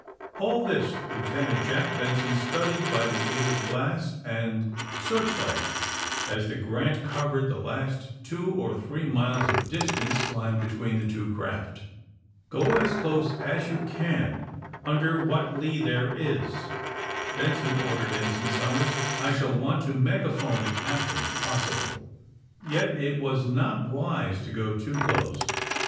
All this Lieutenant Jack Benson studied by the aid of glass and searchlight as the ^^ Grant" covered the last two or three miles of distance lying between the two craft. ^^ Go as close as you can, under what lee there is," Benson ordered Ensign Somers. ^^I shall want to megaphone the captain, if possible." Yet it was not wise to go too close.